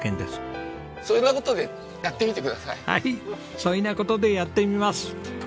はいそいな事でやってみます！